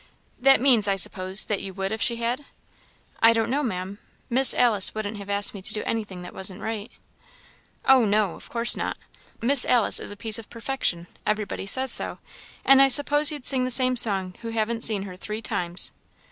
"That means, I suppose, that you would if she had?" "I don't know, Maam; Miss Alice wouldn't have asked me to do anything that wasn't right." "Oh, no! of course not! Miss Alice is a piece of perfection; everybody says so; and I suppose you'd sing the same song who haven't seen her three times."